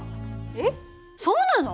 えっそうなの？